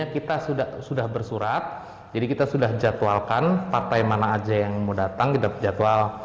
kita sudah sudah bersurat jadi kita sudah jadwalkan partai mana aja yang mau datang kita jadwal